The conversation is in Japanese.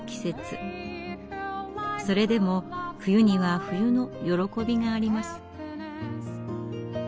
それでも冬には冬の喜びがあります。